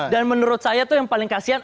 dan menurut saya tuh yang paling kasian